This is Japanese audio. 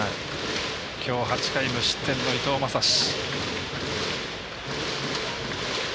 きょう８回無失点の伊藤将司。